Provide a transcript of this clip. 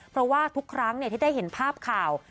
เพราะว่าทุกครั้งที่ได้เห็นภาพข่าว